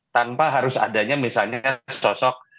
tanpa harus adanya misalnya sosok